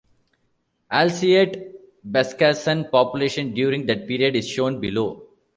Alciette-Bascassan population during that period is shown below.